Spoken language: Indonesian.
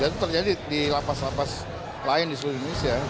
dan terjadi di lapas lapas lain di seluruh indonesia